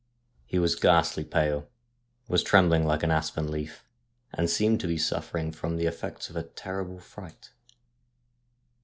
He was ghastly pale, was trembling like an aspen leaf, and seemed to be suffering from the effects of a terrible fright.